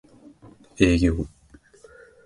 営業